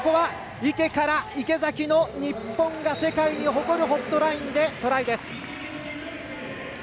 池から池崎の日本が世界に誇るホットラインでトライです。